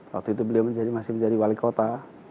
waktu itu beliau masih menjadi wali kota